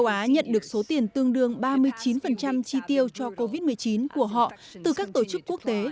châu á nhận được số tiền tương đương ba mươi chín chi tiêu cho covid một mươi chín của họ từ các tổ chức quốc tế